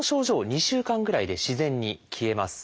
２週間ぐらいで自然に消えます。